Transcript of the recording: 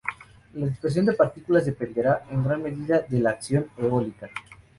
La dispersión de partículas dependerá en gran medida de la acción eólica.